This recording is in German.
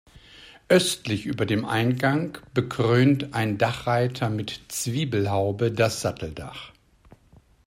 Östlich über dem Eingang bekrönt ein Dachreiter mit Zwiebelhaube das Satteldach.